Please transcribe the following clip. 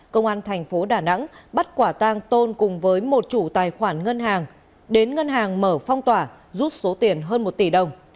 công an thành phố đà nẵng bắt quả tang tôn cùng với một chủ tài khoản ngân hàng đến ngân hàng mở phong tỏa rút số tiền hơn một tỷ đồng